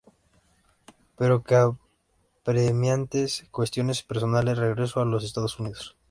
Pero por apremiantes cuestiones personales, regresó a los Estados Unidos.